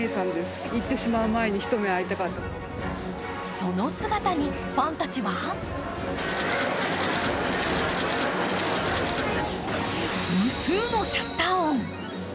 その姿にファンたちは無数のシャッター音。